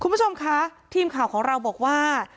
คุณผู้ชมคะทีมข่าวของเราบอกว่า